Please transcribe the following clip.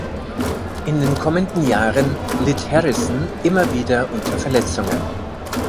In den kommenden Jahren litt Harrison immer wieder unter Verletzungen.